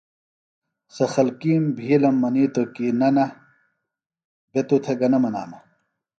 سےۡ خلکِیم بِھیلم منِیتوۡ ہِنوۡ کیۡ نہ نہ، بےۡ توۡ تھےۡ گنہ منانہ